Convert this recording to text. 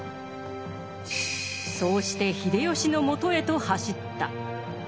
そうして秀吉の元へと走った。